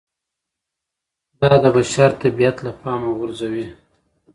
دا د بشر طبیعت له پامه غورځوي